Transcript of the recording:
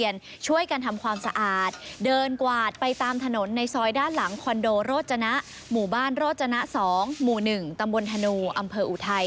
ในซอยด้านหลังคอนโดโรจณะหมู่บ้านโรจณะ๒หมู่๑ตำบลธนูอำเภออูไทย